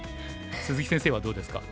鈴木先生はどうですか？